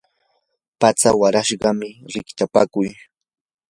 patsa warashnam rikchapakuy.